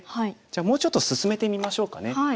じゃあもうちょっと進めてみましょうかね。